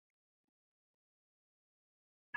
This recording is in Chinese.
文革初期受到冲击。